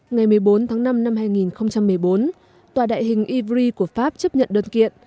ngày một mươi bốn tháng năm năm hai nghìn một mươi bốn tòa đại hình ibri của pháp chấp nhận đơn kiện